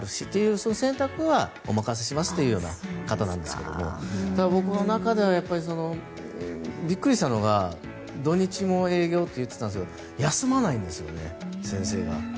その選択はお任せしますというような方なんですがただ、僕の中ではびっくりしたのが土日も営業と言っていたんですが休まないんですよね、先生が。